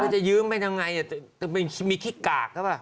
จะยืมไปยังไงมีขี้กากใช่ปะ